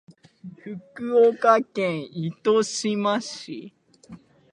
福岡県糸島市